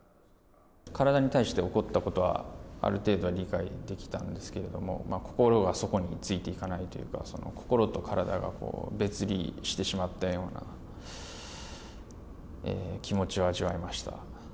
体に対して起こったことは、ある程度は理解できたんですけれども、心がそこについていかないというか、心と体が別離してしまったような気持ちを味わいました。